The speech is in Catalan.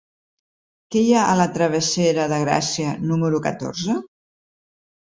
Què hi ha a la travessera de Gràcia número catorze?